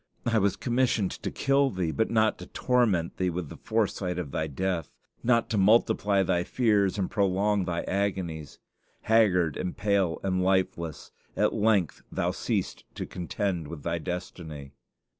I was commissioned to kill thee, but not to torment thee with the foresight of thy death; not to multiply thy fears and prolong thy agonies. Haggard and pale and lifeless, at length thou ceasedst to contend with thy destiny.